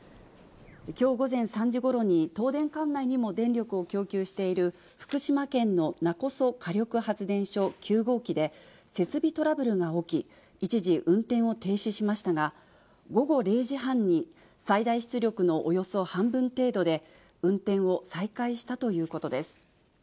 きょう午前３時ごろに、東電管内にも電力を供給している福島県の勿来火力発電所９号機で、設備トラブルが起き、一時、運転を停止しましたが、午後０時半に、最大出力のおよそ半分程度で、運転を再開したということです。